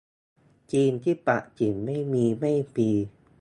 จีนที่ปักกิ่ง ไม่มี ไม่ฟรี